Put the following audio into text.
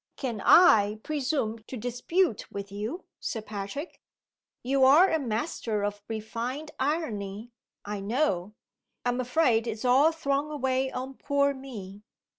"Can I presume to dispute with you, Sir Patrick? You are a master of refined irony, I know. I am afraid it's all thrown away on poor me."